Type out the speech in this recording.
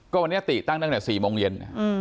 ก็วันนี้ติตั้งตั้งแต่๔โมงเย็น